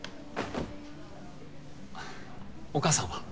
お母さんは？